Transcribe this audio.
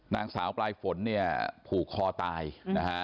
นางสาวปลายฝนเนี่ยผูกคอตายนะฮะ